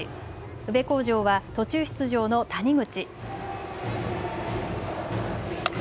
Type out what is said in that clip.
宇部鴻城は途中出場の谷口。